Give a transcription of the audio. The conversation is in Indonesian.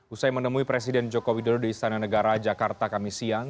usai menemui presiden joko widodo di istana negara jakarta kami siang